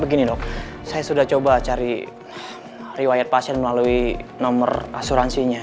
begini dok saya sudah coba cari riwayat pasien melalui nomor asuransinya